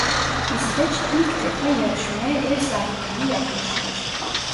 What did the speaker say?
İsveç ilk defa yarışmaya ev sahipliği yapmıştır.